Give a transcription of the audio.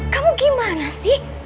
kamu gimana sih